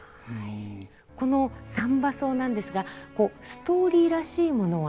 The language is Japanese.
この「三番叟」なんですがストーリーらしいものはなく。